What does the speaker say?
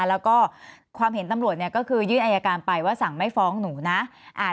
แล้วก็ความเห็นตำรวจเนี่ยก็คือยื่นอายการไปว่าสั่งไม่ฟ้องหนูนะ